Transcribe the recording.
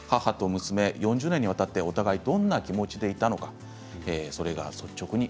母と娘が４０年間お互いどんな気持ちにいたのか。